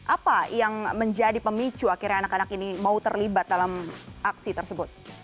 apa yang menjadi pemicu akhirnya anak anak ini mau terlibat dalam aksi tersebut